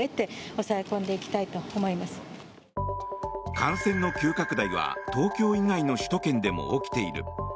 感染の急拡大は東京以外の首都圏でも起きている。